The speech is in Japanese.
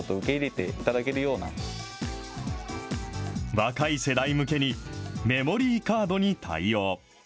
若い世代向けにメモリーカードに対応。